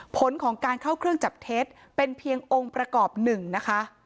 ผลของการเข้าเครื่องจับเท็จเป็นเพียงองค์ประกอบหนึ่งนะคะ